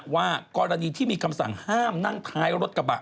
ว่ากรณีที่มีคำสั่งห้ามนั่งท้ายรถกระบะ